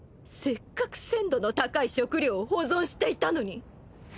せっかく鮮度の高い食糧を保存していたのに